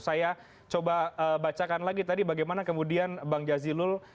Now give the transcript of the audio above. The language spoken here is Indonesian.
saya coba bacakan lagi tadi bagaimana kemudian bang jazilul